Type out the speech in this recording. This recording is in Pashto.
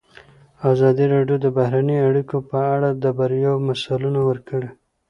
ازادي راډیو د بهرنۍ اړیکې په اړه د بریاوو مثالونه ورکړي.